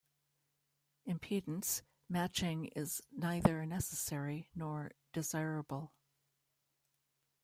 Impedance matching is neither necessary nor desirable.